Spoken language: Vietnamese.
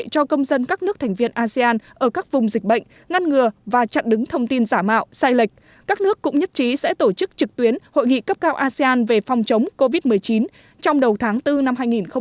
các nước cũng nhất trí sẽ tổ chức trực tuyến hội nghị cấp cao asean về phòng chống covid một mươi chín trong đầu tháng bốn năm hai nghìn hai mươi